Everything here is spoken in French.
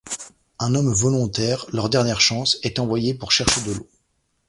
Un homme volontaire, leur dernière chance, est envoyé pour chercher de l'eau.